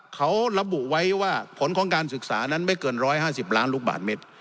เขาระบุไว้ว่าผลของการศึกษานั้นไม่เกิน๑๕๐ล้านลูกบาทเมตร